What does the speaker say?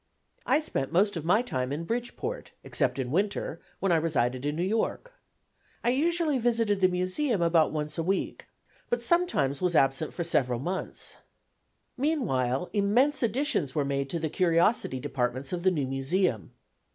I spent most of my time in Bridgeport, except in winter, when I resided in New York. I usually visited the Museum about once a week, but sometimes was absent for several months. Meanwhile, immense additions were made to the curiosity departments of the new Museum.